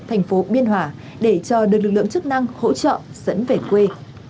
thành phố biên hòa để cho được lực lượng chức năng hỗ trợ dẫn về quê